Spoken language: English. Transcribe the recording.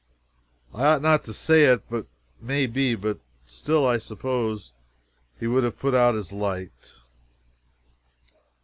I ought not to say it, may be, but still I suppose he would have put out his light.